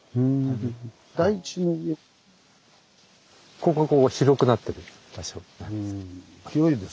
ここがこう広くなってる場所なんです。